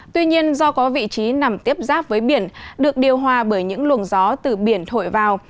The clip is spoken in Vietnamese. tuy nhiên do có vị trí nằm tiếp giáp với biển được điều hòa bởi những luồng gió từ biển thổi vào